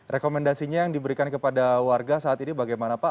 rekomendasinya yang diberikan kepada warga saat ini bagaimana pak